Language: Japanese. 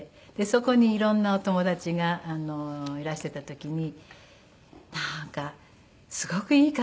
そこにいろんなお友達がいらしてた時に「なんかすごくいい感じね」